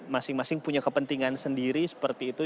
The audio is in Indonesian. masing masing punya kepentingan sendiri seperti itu